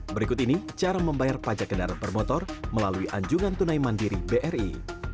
berikut ini cara membayar pajak kendaraan bermotor melalui anjungan tunai mandiri bri